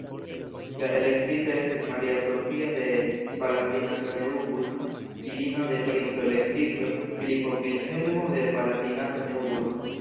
La elektita estis Maria Sofia de Palatinato-Neuburg, filino de princo-elektisto Filipo Vilhelmo de Palatinato-Neuburg.